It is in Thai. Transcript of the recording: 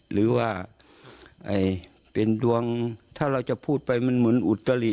หรือว่าเป็นดวงถ้าเราจะพูดไปมันเหมือนอุตริ